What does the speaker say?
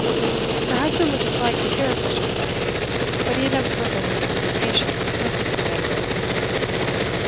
Her husband would dislike to hear of such a step, but he had never forbidden communication with Mrs. Damerel.